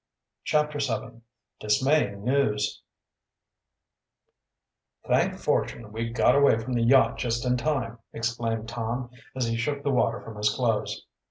CHAPTER VII DISMAYING NEWS "Thank fortune we got away from the yacht just in time!" exclaimed Tom, as he shook the water from his clothes.